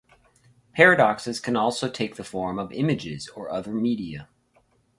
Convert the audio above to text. Paradoxes can also take the form of images or other media.